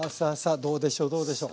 どうでしょうどうでしょう。